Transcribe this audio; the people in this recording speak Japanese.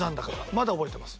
まだ覚えてます。